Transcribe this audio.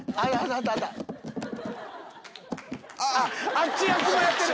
あっち役もやってる！